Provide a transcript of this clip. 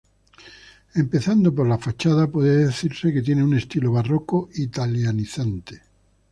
Empezando por la fachada, puede decirse que tiene un estilo barroco italianizante.